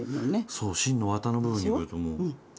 そう芯のわたの部分に来るともう。